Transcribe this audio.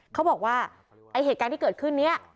เขาบอกว่าไอ้เหตุการณ์ที่เกิดขึ้นนี้